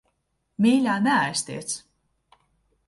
Mīļā, neaiztiec.